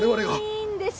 いいーんです。